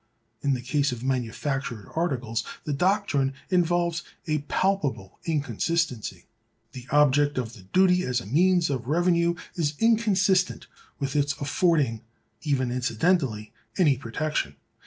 In the case of manufactured articles the doctrine involves a palpable inconsistency. The object of the duty as a means of revenue is inconsistent with its affording, even incidentally, any protection.